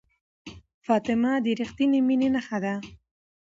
فاطمه د ریښتینې مینې نښه ده.